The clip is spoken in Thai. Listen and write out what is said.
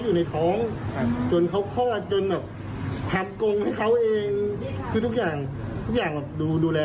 อื้อฮึ